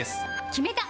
決めた！